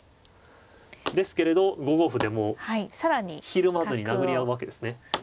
ですけれど５五歩でもひるまずに殴り合うわけですね。